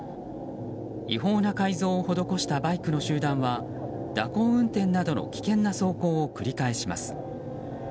違法な改造を施したバイクの集団は蛇行運転などの危険な走行を繰り返します。